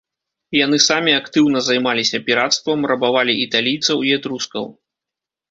Яны самі актыўна займаліся пірацтвам, рабавалі італійцаў і этрускаў.